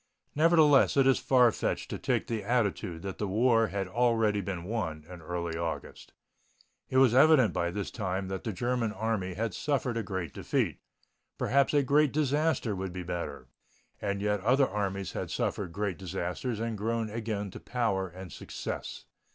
Nevertheless, it is far fetched to take the attitude that the war had already been won early in August. It was evident by this time that the German Army had suffered a great defeat. Perhaps a great disaster would be better. And yet other armies have suffered great disasters and grown again to power and success.